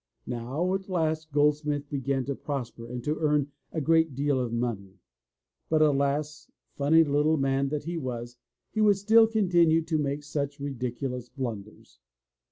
Now, at last, Gold smith began to prosper and to earn a great deal of money. But alas! funny little man that he was, he would still continue to make such ridiculous blunders.